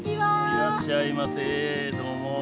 いらっしゃいませ、どうも。